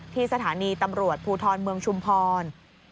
ที่สถานีตำรวจภูทรเมืองชุมพร